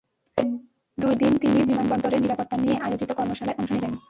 পরের দুই দিন তিনি বিমানবন্দরের নিরাপত্তা নিয়ে আয়োজিত কর্মশালায় অংশ নেবেন।